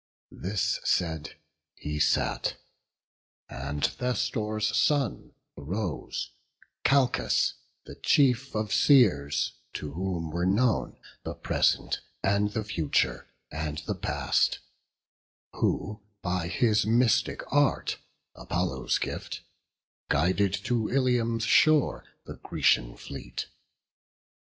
This said, he sat; and Thestor's son arose, Calchas, the chief of seers, to whom were known The present, and the future, and the past; Who, by his mystic art, Apollo's gift, Guided to Ilium's shore the Grecian fleet.